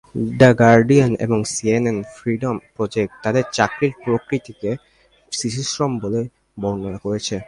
The Guardian এবং CNN Freedom Project তাদের চাকরির প্রকৃতিকে শিশুশ্রম বলে বর্ণনা করেছে।